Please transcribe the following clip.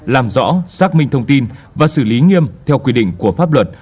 làm rõ xác minh thông tin và xử lý nghiêm theo quy định của pháp luật